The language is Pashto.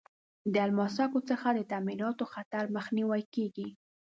د الماسک څخه د تعمیراتو خطر مخنیوی کیږي.